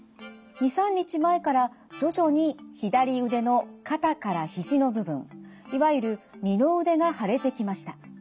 ２３日前から徐々に左腕の肩から肘の部分いわゆる二の腕が腫れてきました。